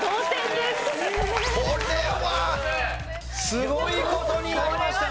すごい事になりました！